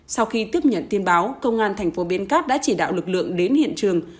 sau khi tiếp nhận tin báo công an thành phố biên cát đã chỉ đạo lực lượng đến hiện trường